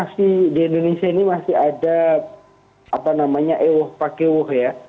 di indonesia ini masih ada ewah pakewah ya